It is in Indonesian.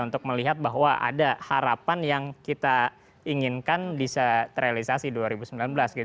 untuk melihat bahwa ada harapan yang kita inginkan bisa terrealisasi dua ribu sembilan belas